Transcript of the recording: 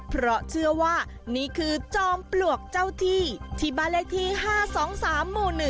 เพราะเชื่อว่านี่คือจอมปลวกเจ้าที่ที่บ้านเลขที่๕๒๓หมู่๑